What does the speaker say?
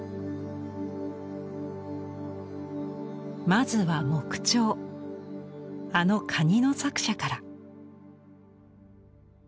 まずは木彫あのカニの作者から。